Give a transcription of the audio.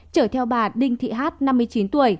chở theo bà đinh thị hát năm mươi chín tuổi